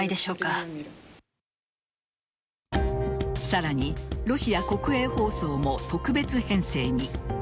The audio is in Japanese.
さらにロシア国営放送も特別編成に。